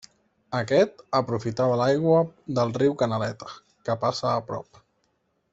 Aquest aprofitava l'aigua del riu Canaleta, que passa a prop.